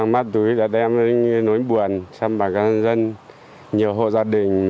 ma túy đã đem đến những nỗi buồn xâm bạc các dân nhiều hộ gia đình